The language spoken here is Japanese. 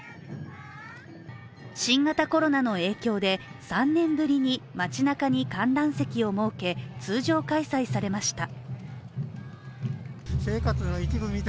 新型コロナの影響で３年ぶりに街なかに観覧席を設け通常開催されました。